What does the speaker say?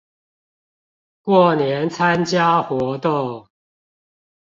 過年參加活動